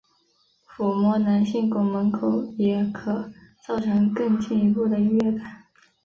抚触男性肛门口也可造成更进一步的愉悦感。